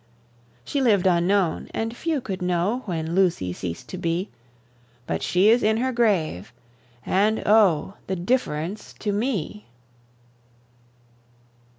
She lived unknown, and few could know When Lucy ceased to be; But she is in her grave, and, oh, The difference to me!